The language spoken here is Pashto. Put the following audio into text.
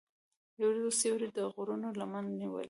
د وریځو سیوری د غرونو لمن نیولې.